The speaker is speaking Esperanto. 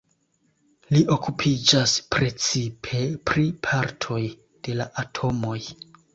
Li okupiĝas precipe pri partoj de la atomoj.